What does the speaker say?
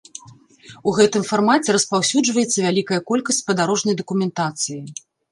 У гэтым фармаце распаўсюджваецца вялікая колькасць спадарожнай дакументацыі.